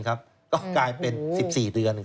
ก็กลายเป็น๑๔เดือน